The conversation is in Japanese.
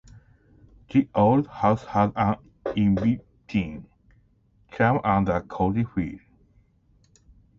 The old house had an inviting charm and a cozy feel.